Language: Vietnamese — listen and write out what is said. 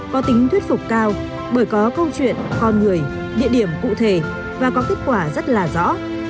có tính thuyết phục cao bởi có câu chuyện con người địa điểm cụ thể và có kết quả rất là rõ